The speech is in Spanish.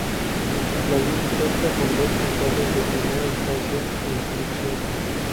Lalín cuenta con dos Juzgados de Primera Instancia e Instrucción.